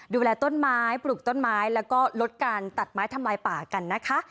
ดูแลต้นไม้ปลูกต้นไม้แล้วก็ลดการตัดไม้ทำลายป่ากันนะคะ